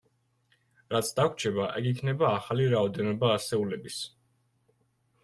რაც დაგვრჩება ეგ იქნება ახალი რაოდენობა ასეულების.